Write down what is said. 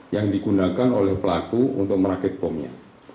yang digunakan oleh pelaku untuk merakit bomnya